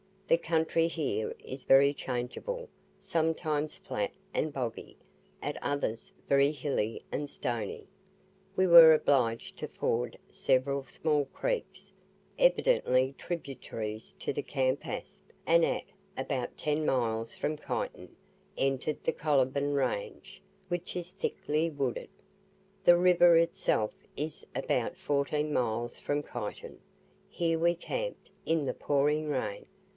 The country here is very changeable, sometimes flat and boggy, at others, very hilly and stony. We were obliged to ford several small creeks, evidently tributaries to the Campaspe, and at about ten miles from Kyneton, entered the Coliban range, which is thickly wooded. The river itself is about fourteen miles from Kyneton. Here we camped, in the pouring rain.